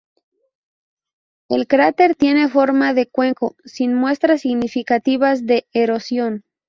El cráter tiene forma de cuenco, sin muestras significativas de erosión.